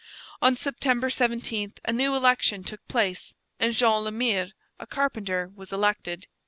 On September 17 a new election took place, and Jean Le Mire, a carpenter, was elected.